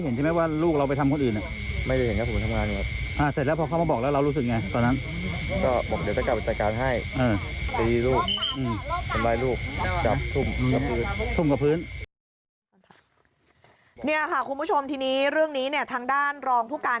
นี่ค่ะคุณผู้ชมเรื่องนี้ทางด้านรองภูการ